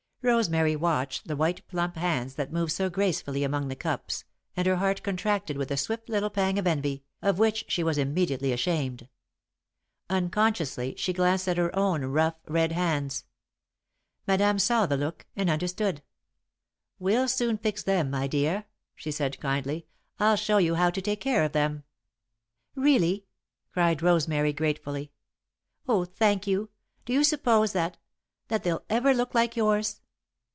Rosemary watched the white, plump hands that moved so gracefully among the cups, and her heart contracted with a swift little pang of envy, of which she was immediately ashamed. Unconsciously, she glanced at her own rough, red hands. Madame saw the look, and understood. "We'll soon fix them, my dear," she said, kindly. "I'll show you how to take care of them." "Really?" cried Rosemary, gratefully. "Oh, thank you! Do you suppose that that they'll ever look like yours?"